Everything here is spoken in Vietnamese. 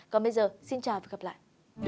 còn bây giờ xin chào và gặp lại